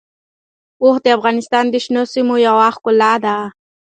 اوښ د افغانستان د شنو سیمو یوه ښکلا ده.